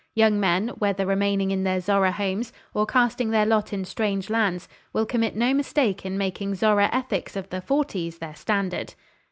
Young men, whether remaining in their Zorra homes, or casting their lot in strange lands, will commit no mistake in making Zorra ethics of the forties their standard."